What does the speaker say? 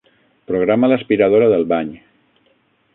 Programa l'aspiradora del bany.